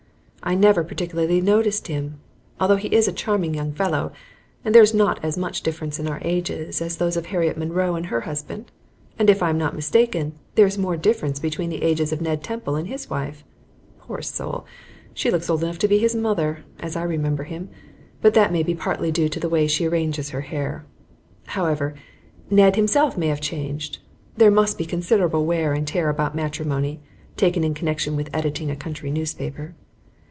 I never particularly noticed him, although he is a charming young fellow, and there is not as much difference in our ages as in those of Harriet Munroe and her husband, and if I am not mistaken there is more difference between the ages of Ned Temple and his wife. Poor soul! she looks old enough to be his mother, as I remember him, but that may be partly due to the way she arranges her hair. However, Ned himself may have changed; there must be considerable wear and tear about matrimony, taken in connection with editing a country newspaper.